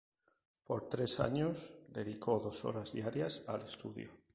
Por tres años, dedicó dos horas diarias al estudio.